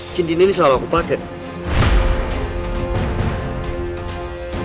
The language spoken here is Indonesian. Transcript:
cincin ini selama aku pakai